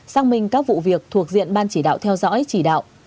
xác minh các vụ việc thuộc diện ban chỉ đạo theo dõi chỉ đạo